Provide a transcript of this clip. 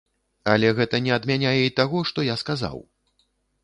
Але гэта не адмяняе і таго, што я сказаў.